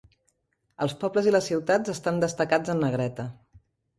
Els pobles i les ciutats estan destacats en negreta.